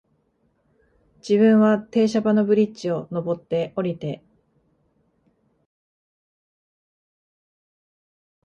自分は停車場のブリッジを、上って、降りて、